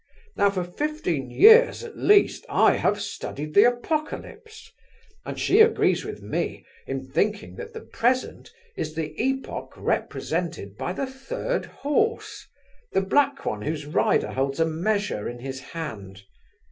Now for fifteen years at least I have studied the Apocalypse, and she agrees with me in thinking that the present is the epoch represented by the third horse, the black one whose rider holds a measure in his hand.